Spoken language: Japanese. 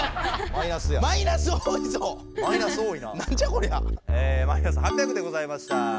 マイナス８００でございました。